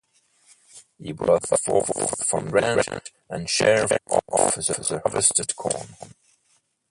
He brought forth from the grange a share of the harvested corn.